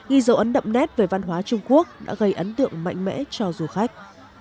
ghi dấu ấn đậm nét về văn hóa trung quốc đã gây ấn tượng mạnh mẽ cho du khách